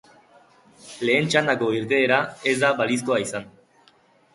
Lehen txandako irteera ez da balizkoa izan.